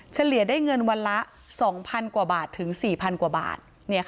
เฉลี่ยได้เงินวันละ๒๐๐๐กว่าบาทถึง๔๐๐กว่าบาท